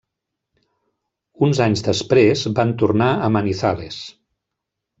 Uns anys després, van tornar a Manizales.